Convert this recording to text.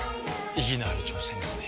意義のある挑戦ですね。